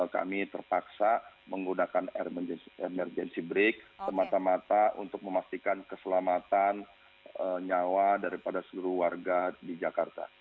kami terpaksa menggunakan emergency break semata mata untuk memastikan keselamatan nyawa daripada seluruh warga di jakarta